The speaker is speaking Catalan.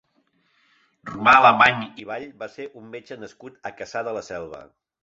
Romà Alemany i Vall va ser un metge nascut a Cassà de la Selva.